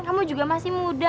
kamu juga masih muda